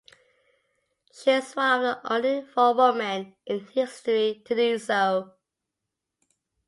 She is one of only four women in history to do so.